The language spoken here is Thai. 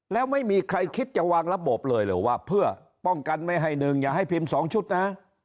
แล้วไม่มีใครคิดจะวางระบบเลยหรือว่าเพื่อป้องกันไม่ให้หนึ่งอย่าให้พิมพ์๒ชุดนะ